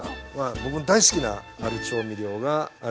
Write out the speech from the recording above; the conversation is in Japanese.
僕の大好きなある調味料が味の要なんです。